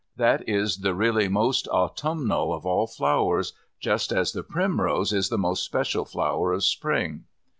That is the really most autumnal of all flowers, just as the primrose is the most special flower of Spring.